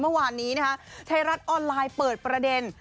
เมื่อวานนี้ไธรัตออนไลน์เปิดประเด็น